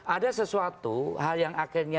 ada sesuatu hal yang akhirnya